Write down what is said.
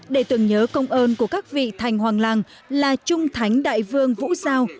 để tưởng nhớ công ơn của các vị thành hoàng làng là trung thánh đại vương vũ giao